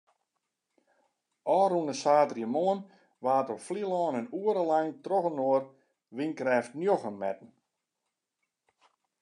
Ofrûne saterdeitemoarn waard op Flylân in oere lang trochinoar wynkrêft njoggen metten.